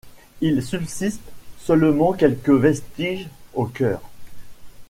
Il subsiste seulement quelques vestiges au chœur.